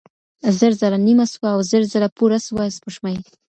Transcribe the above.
زر ځله نيمه سوه او زر ځله پوره سوه سپوږمۍ